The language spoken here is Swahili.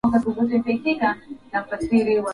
naam bwana amboka andere bila shaka usiondoke nawe